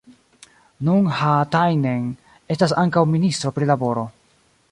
Nun Haatainen estas ankaŭ ministro pri laboro.